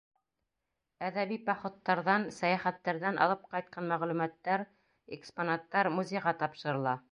Әҙәби походтарҙан, сәйәхәттәрҙән алып ҡайтҡан мәғлүмәттәр, экспонаттар музейға тапшырыла.